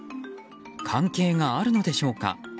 関係があるのでしょうか。